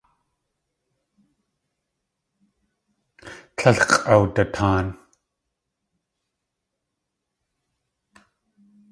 Tlél x̲ʼawdataan.